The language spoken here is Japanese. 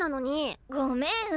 ごめん。